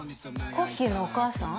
コッヒーのお母さん？